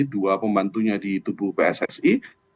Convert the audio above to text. dua pembantunya di tubuh pssi